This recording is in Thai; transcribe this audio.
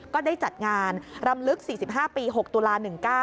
ก็ได้จัดงานรำลึก๔๕ปี๖ตุลา๑๙